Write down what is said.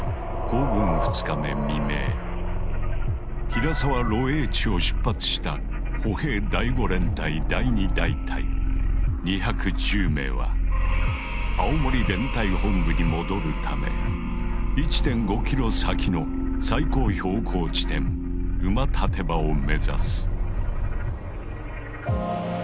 平沢露営地を出発した歩兵第５連隊第２大隊２１０名は青森連隊本部に戻るため１．５ｋｍ先の最高標高地点馬立場を目指す。